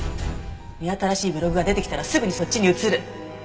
目新しいブログが出てきたらすぐにそっちに移る。